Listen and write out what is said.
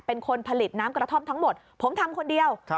เป็นคนผลิตน้ำกระท่อมทั้งหมดผมทำคนเดียว